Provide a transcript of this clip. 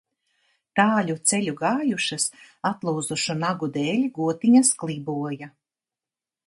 Tāļu ceļu gājušas, atlūzušu nagu dēļ gotiņas kliboja.